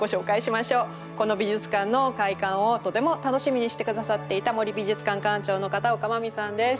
この美術館の開館をとても楽しみにして下さっていた森美術館館長の片岡真実さんです。